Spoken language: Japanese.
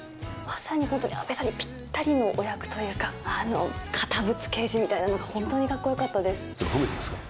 まさに本当に阿部さんにぴったりのお役というか、堅物刑事みたいなのが本当にかっこよかったそれ、褒めてますか？